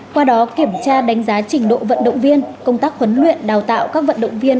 qua đó kiểm tra đánh giá trình độ vận động viên công tác huấn luyện đào tạo các vận động viên